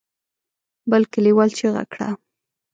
بل کليوال چيغه کړه.